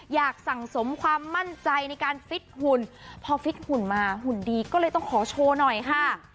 อยากสั่งสมความมั่นใจในการฟิตหุ่นพอฟิตหุ่นมาหุ่นดีก็เลยต้องขอโชว์หน่อยค่ะ